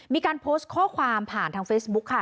มีการโพสต์ข้อความผ่านทางเฟซบุ๊คค่ะ